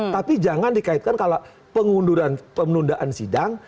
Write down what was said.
tapi jangan dikaitkan kalau pengunduran pemenundaan sidang